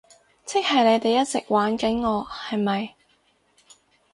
即係你哋一直玩緊我，係咪？